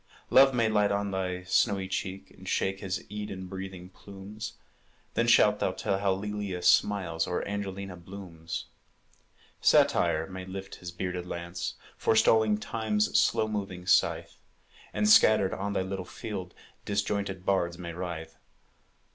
Love may light on thy snowy cheek, And shake his Eden breathing plumes; Then shalt thou tell how Lelia smiles, Or Angelina blooms. Satire may lift his bearded lance, Forestalling Time's slow moving scythe, And, scattered on thy little field, Disjointed bards may writhe.